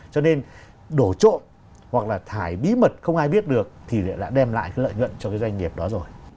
cho nên đổ trộm hoặc là thải bí mật không ai biết được thì lại đem lại cái lợi nhuận cho cái doanh nghiệp đó rồi